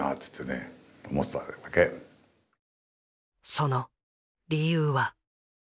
その理由は。